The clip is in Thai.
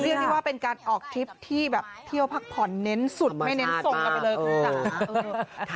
เรียกได้ว่าเป็นการออกทริปที่แบบเที่ยวพักผ่อนเน้นสุดไม่เน้นทรงกันไปเลยคุณจ๋า